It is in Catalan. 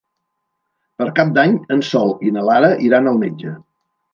Per Cap d'Any en Sol i na Lara iran al metge.